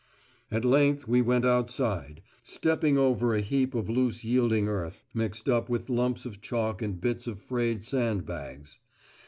At length we went outside, stepping over a heap of loose yielding earth, mixed up with lumps of chalk and bits of frayed sand bags.